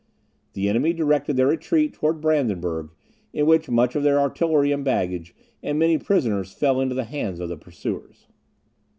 The enemy directed their retreat towards Brandenburg, in which much of their artillery and baggage, and many prisoners fell into the hands of the pursuers.